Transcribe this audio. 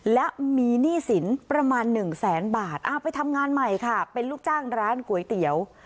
และมีหนี้สินประมาณหนึ่งแสนบาทเอาไปทำงานใหม่ค่ะเป็นลูกจ้างร้านก๋วยเตี๋ยว